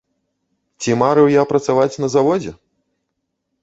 Ці марыў я працаваць на заводзе?